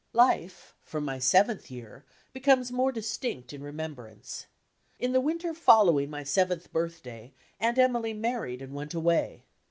Life, from my seventh year, becomes more distina in remembrance. In the winter following my seventh birth day. Aunt Emily married and went away.